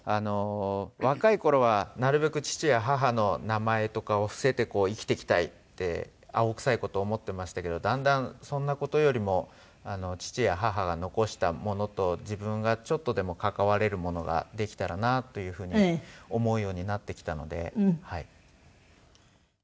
若い頃はなるべく父や母の名前とかを伏せて生きていきたいって青臭い事を思ってましたけどだんだんそんな事よりも父や母が残したものと自分がちょっとでも関われるものができたらなという風に思うようになってきたのではい。